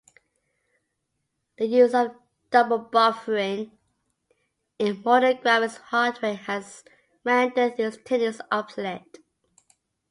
The use of double buffering in modern graphics hardware has rendered these techniques obsolete.